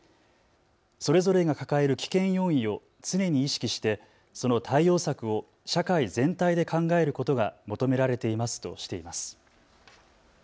それぞれが抱える危険要因を常に意識して、その対応策を社会全体で考えることが求められていますとしています。